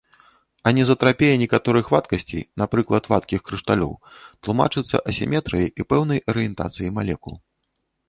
Анізатрапія некаторых вадкасцей, напрыклад, вадкіх крышталёў, тлумачыцца асіметрыяй і пэўнай арыентацыяй малекул.